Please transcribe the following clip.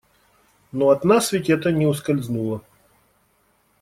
Но от нас ведь это не ускользнуло.